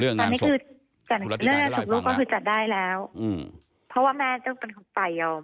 เรื่องงานศพลูกก็คือจัดได้แล้วเพราะว่าแม่ต้องไปยอม